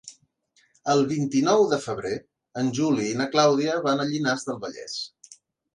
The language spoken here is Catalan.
El vint-i-nou de febrer en Juli i na Clàudia van a Llinars del Vallès.